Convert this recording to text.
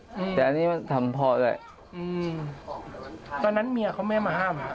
อืมแต่อันนี้มันทำพ่อด้วยอืมตอนนั้นเมียเขาไม่มาห้าม